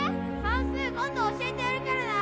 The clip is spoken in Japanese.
算数今度教えてやるからな！